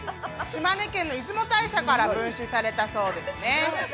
島根県の出雲大社から分祀されたそうです。